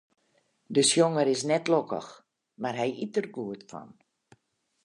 De sjonger is net lokkich, mar hy yt der goed fan.